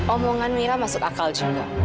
omongan mira masuk akal juga